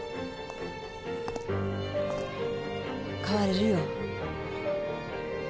変われるよ